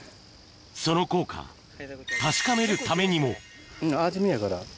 その効果確かめるためにも味見やから。